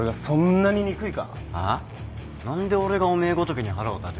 あぁ？何で俺がおめえごときに腹を立てる？